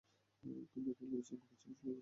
দেখেছ, লুইস আমাদের ছেড়ে চলে যাচ্ছিল।